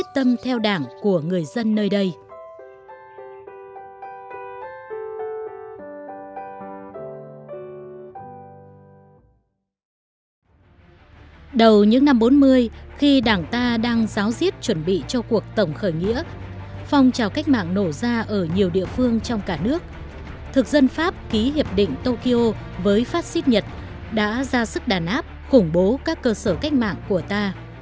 đầu những năm bốn mươi khi đảng ta đang giáo diết chuẩn bị cho cuộc tổng khởi nghĩa phong trào cách mạng nổ ra ở nhiều địa phương trong cả nước thực dân pháp ký hiệp định tokyo với phát xít nhật đã ra sức đàn áp khủng bố các cơ sở cách mạng của ta